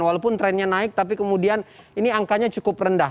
walaupun trennya naik tapi kemudian ini angkanya cukup rendah